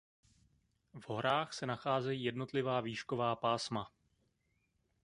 V horách se nacházejí jednotlivá výšková pásma.